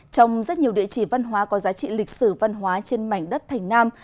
trong rất nhiều địa chỉ văn hóa có giá trị lịch sử văn hóa trên mảnh đất thành nam